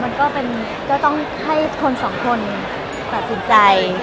มันก็ต้องให้คนสองคนตัดสินใจ